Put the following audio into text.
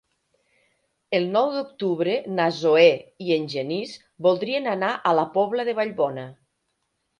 El nou d'octubre na Zoè i en Genís voldrien anar a la Pobla de Vallbona.